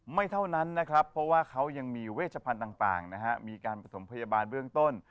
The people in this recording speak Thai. ไม่เท่านั้นนะครับเพราะว่าเขายังมีเวชพันธุ์ต่างนะฮะมีการประถมพยาบาลเบื้องต้น